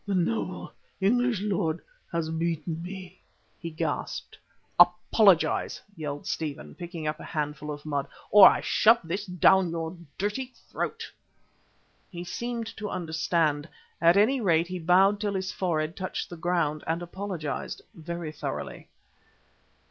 "The noble English lord has beaten me," he gasped. "Apologise!" yelled Stephen, picking up a handful of mud, "or I shove this down your dirty throat." He seemed to understand. At any rate, he bowed till his forehead touched the ground, and apologised very thoroughly.